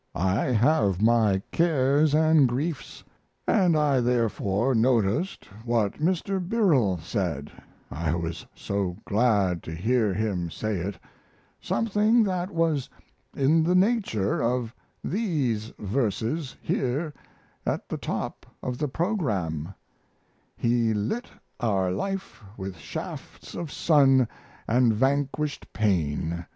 I have my cares and griefs, and I therefore noticed what Mr. Birrell said I was so glad to hear him say it something that was in the nature of these verses here at the top of the program: He lit our life with shafts of sun And vanquished pain.